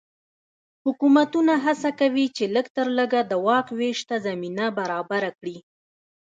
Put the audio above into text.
حکومتونه هڅه کوي چې لږ تر لږه د واک وېش ته زمینه برابره کړي.